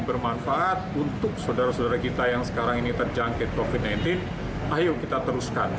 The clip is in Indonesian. bermanfaat untuk saudara saudara kita yang sekarang ini terjangkit covid sembilan belas ayo kita teruskan